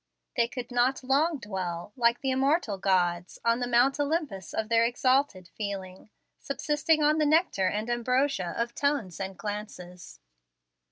They could not long dwell, like the immortal gods, on the Mount Olympus of their exalted feeling, subsisting on the nectar and ambrosia of tones and glances.